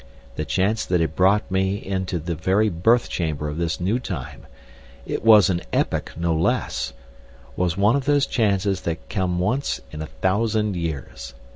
The chance that had brought me into the very birth chamber of this new time—it was an epoch, no less—was one of those chances that come once in a thousand years.